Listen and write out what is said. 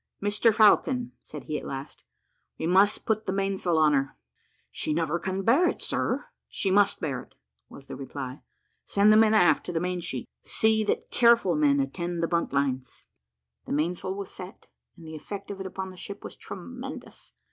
"Mr Falcon," said he at last, "we must put the mainsail on her." "She never can bear it, sir." "She must bear it," was the reply. "Send the men aft to the mainsheet. See that careful men attend the buntlines." The mainsail was set, and the effect of it upon the ship was tremendous.